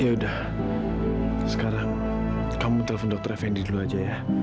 yaudah sekarang kamu telepon dokter effendi dulu aja ya